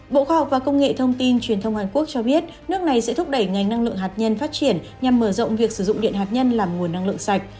bộ khoa học và công nghệ thông tin truyền thông hàn quốc cho biết nước này sẽ thúc đẩy ngành năng lượng hạt nhân phát triển nhằm mở rộng việc sử dụng điện hạt nhân làm nguồn năng lượng sạch